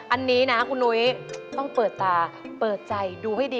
อันนี้นะคุณนุ้ยต้องเปิดตาเปิดใจดูให้ดี